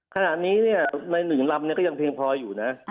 ขณะนี้ใน๑ลำก็ยังเพียงพออยู่นะ